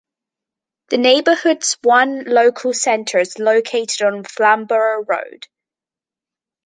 The neighbourhood's one local centre is located on Flamborough Road.